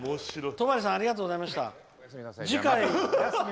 戸張さんありがとうございました。